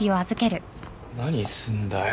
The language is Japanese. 何すんだよ。